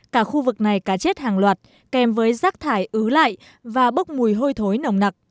cả khu vực này cá chết hàng loạt kèm với rác thải ứ lại và bốc mùi hôi thối nồng nặc